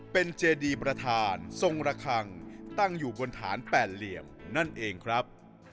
เป็นเจดีประธานทรงระคังตั้งอยู่บนฐานแปดเหลี่ยมนั่นเองครับ